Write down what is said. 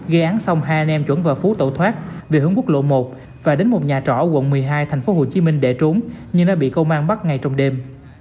gây án xong hai anh em chuẩn và phú tẩu thoát về hướng quốc lộ một và đến một nhà trỏ ở quận một mươi hai thành phố hồ chí minh để trốn nhưng đã bị công an bắt ngay trong đêm